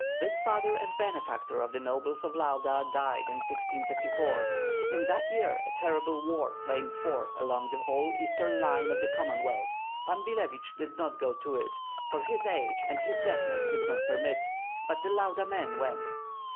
This father and benefactor of the nobles of Lauda died in 1654. In that year a terrible war flamed forth along the whole eastern line of the Commonwealth; Pan Billevich did not go to it, for his age and his deafness did not permit; but the Lauda men went.